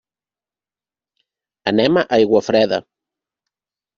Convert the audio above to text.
Anem a Aiguafreda.